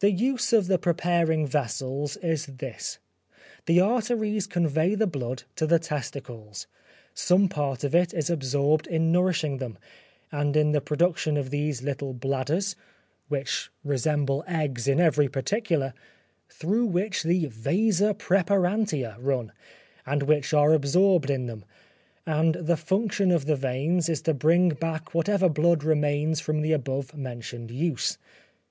The use of the preparing vessels is this; the arteries convey the blood to the testicles; some part of it is absorbed in nourishing them, and in the production of these little bladders (which resemble eggs in every particular), through which the vasa preparantia run, and which are absorbed in them; and the function of the veins is to bring back whatever blood remains from the above mentioned use.